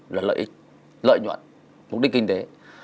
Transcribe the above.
là lợi ích lợi nhuận mục đích kinh tế